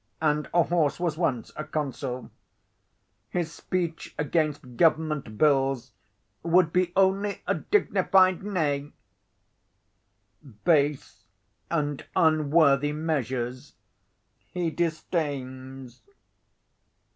P. and a horse was once a consul his speech against Government bills, would be only a dignified neigh. Base and unworthy measures he disdains.